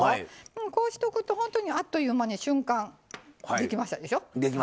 こうしておくと本当にあっという間に瞬間、できましたでしょ。